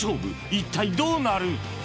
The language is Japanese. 一体どうなる！？